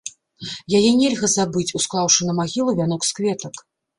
Яе нельга забыць, усклаўшы на магілу вянок з кветак.